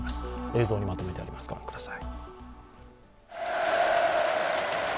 映像にまとめてあります、御覧ください。